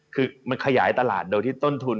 คือมันขยายตลาดโดยที่ต้นทุน